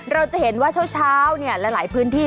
เราจะเห็นว่าเช้าหลายพื้นที่